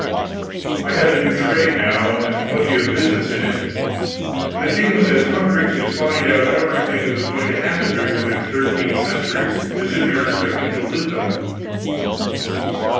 I had a new trade now, and plenty of business in it. The king was as hungry to find out everything that was going to happen during the next thirteen centuries as if he were expecting to live in them.